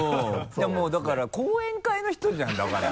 いやもうだから後援会の人じゃんだから。